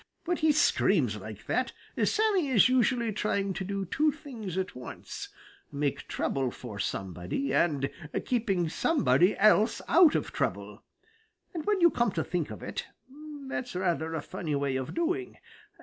"When he screams like that, Sammy is usually trying to do two things at once make trouble for somebody and keep somebody else out of trouble; and when you come to think of it, that's rather a funny way of doing.